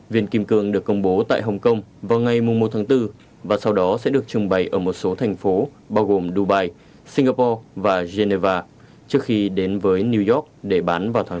viên kim cương được công bố tại hồng kông vào ngày một tháng bốn và sau đó sẽ được trưng bày ở một số thành phố bao gồm dubai singapore và geneva trước khi đến với new york để bán vào tháng chín